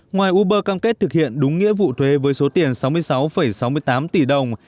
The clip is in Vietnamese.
ngoài uber cam kết thực hiện đúng nghĩa vụ thuế với số tiền sáu mươi sáu sáu mươi tám tỷ đồng